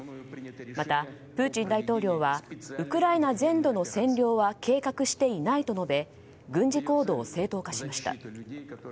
また、プーチン大統領はウクライナ全土の占領は計画していないと述べ軍事行動を正当化しました。